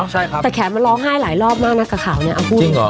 ใช่ครับแต่แขกมันร้องไห้หลายรอบมากนักข่าวเนี้ยเอาคุณจริงเหรอ